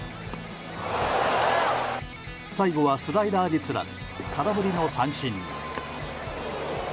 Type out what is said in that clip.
最後はスライダーにつられ空振りの三振に。